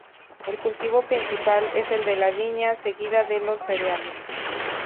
El cultivo principal es el de la viña, seguida de los cereales.